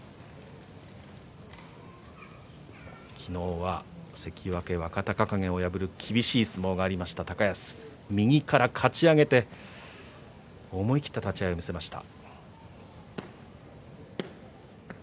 昨日は関脇若隆景を破る厳しい相撲がありました高安、右からかち上げて思い切った立ち合いを見せました。